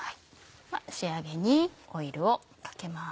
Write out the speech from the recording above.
仕上げにオイルをかけます。